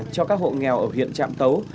cho các hộ nghèo ở huyện trạm tấu